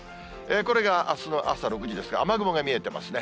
これがあすの朝６時ですが、雨雲が見えてますね。